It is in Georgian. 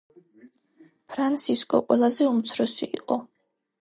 ფრანსისკო ყველაზე უმცროსი იყო.